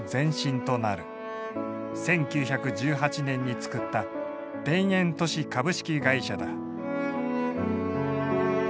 １９１８年に作った田園都市株式会社だ。